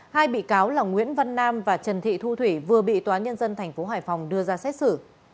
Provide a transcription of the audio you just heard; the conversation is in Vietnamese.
hai bị cáo là nguyễn văn nam và trần thị thu thủy vừa bị tòa nhân dân tp hải phòng đưa ra xét xử